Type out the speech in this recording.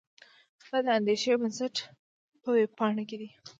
دا د اندېښې بنسټ په وېبپاڼه کې دي.